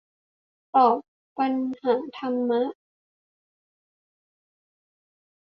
ตอบปัญหาธรรมะ